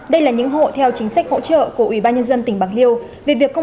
đây là những hộ theo chính sách hỗ trợ của ubnd tỉnh bạc liêu